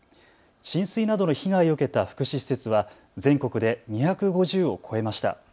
浸水などの被害を受けた福祉施設は全国で２５０を超えました。